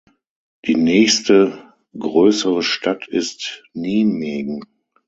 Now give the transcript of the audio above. Die nächste größere Stadt ist Nijmegen.